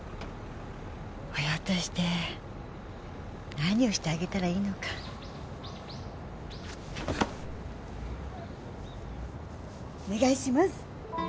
親として何をしてあげたらいいのかお願いします